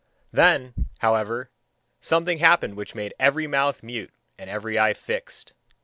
Then, however, something happened which made every mouth mute and every eye fixed.